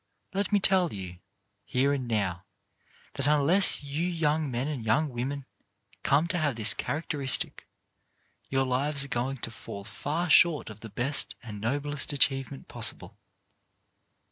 Let me tell you, here and now, that unless you young men and young women come to have this charac teristic, your lives are going to fall far short of the best and noblest achievement possible.